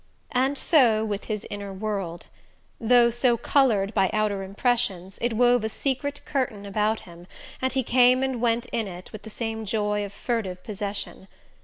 And so with his inner world. Though so coloured by outer impressions, it wove a secret curtain about him, and he came and went in it with the same joy of furtive possession.